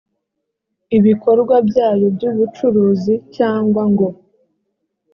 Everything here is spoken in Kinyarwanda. ibikorwa byayo by ubucuruzi cyangwa ngo